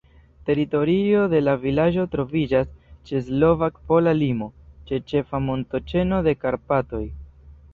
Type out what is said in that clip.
Teritorio de vilaĝo troviĝas ĉe slovak-pola limo, ĉe ĉefa montoĉeno de Karpatoj.